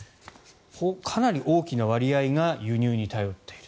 かなり大きな割合が輸入に頼っている。